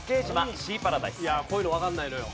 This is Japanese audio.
いやこういうのわかんないのよ。